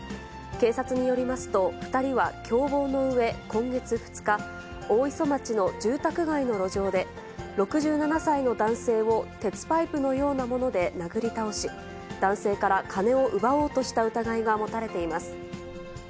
警察によりますと、２人は共謀のうえ、今月２日、大磯町の住宅街の路上で、６７歳の男性を鉄パイプのようなもので殴り倒し、男性から金を奪おうとした疑いが持たれています。